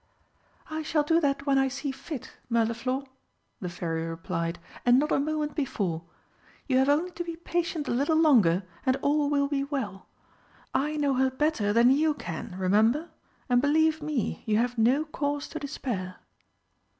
"I shall do that when I see fit, Mirliflor," the Fairy replied, "and not a moment before. You have only to be patient a little longer and all will be well. I know her better than you can, remember, and, believe me, you have no cause to despair."